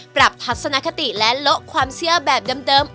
ทัศนคติและโละความเชื่อแบบเดิม